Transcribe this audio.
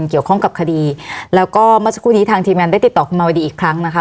เกี่ยวข้องกับคดีแล้วก็เมื่อสักครู่นี้ทางทีมงานได้ติดต่อคุณมาวดีอีกครั้งนะคะ